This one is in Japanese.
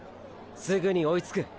すぐに追いつく。